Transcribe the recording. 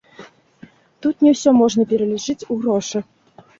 Тут не ўсё можна пералічыць ў грошы.